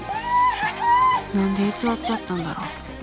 何で偽っちゃったんだろう。